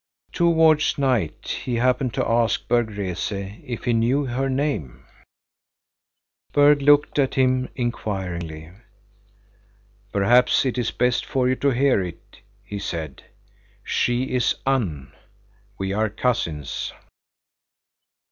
Towards night he happened to ask Berg Rese if he knew her name. Berg looked at him inquiringly. "Perhaps it is best for you to hear it," he said. "She is Unn. We are cousins."